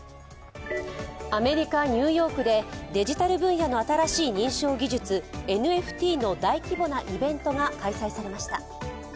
アメリカ・ニューヨークでデジタル分野の新しい認証技術ＮＦＴの大規模なイベントが開催されました。